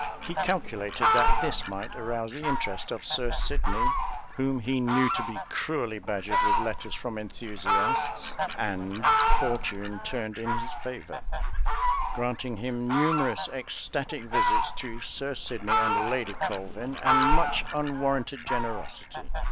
He calculated that this might arouse the interest of Sir Sidney, whom he knew to be cruelly badgered with letters from enthusiasts; and fortune turned in his favour, granting him numerous ecstatic visits to Sir Sidney and Lady Colvin and much unwarranted generosity.